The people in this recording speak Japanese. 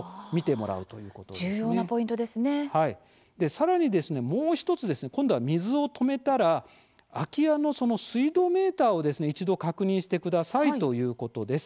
さらにもう１つですね今度は、水を止めたら空き家の水道メーターを、一度確認してくださいということです。